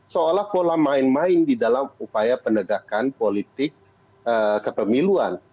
seolah pola main main di dalam upaya penegakan politik kepemiluan